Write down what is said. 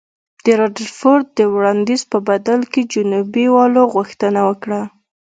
د رادرفورډ د وړاندیز په بدل کې جنوبي والو غوښتنه وکړه.